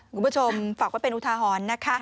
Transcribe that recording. อ่ะคุณผู้ชมฝากว่าเป็นอุทหรณ์นะคะ